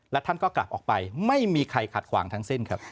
และท่านก็กลับออกไปไม่มีใครขัดขวางทั้งสิ้นครับ